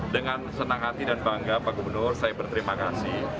dengan senang hati dan bangga pak gubernur saya berterima kasih